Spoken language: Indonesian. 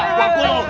kita cari itu rejal